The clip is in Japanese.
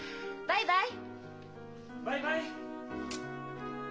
バイバイ！